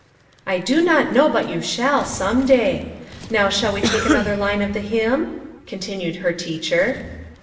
"I do not know but you shall, some day. Now shall we take another line of the hymn ?" continued her teacher.